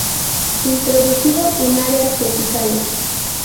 Introducido en áreas tropicales.